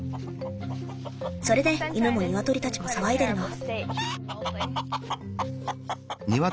それで犬もニワトリたちも騒いでるの。